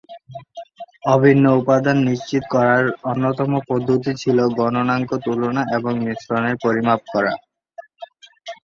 অভিন্ন উপাদান নিশ্চিত করার অন্যতম পদ্ধতি ছিল গলনাঙ্ক তুলনা এবং মিশ্রণের পরিমাপ করা।